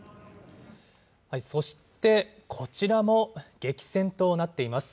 そしてこちらも激戦となっています。